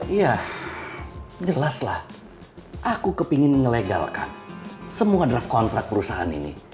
iya jelas lah aku kepengen ngelegalkan semua draft kontrak perusahaan ini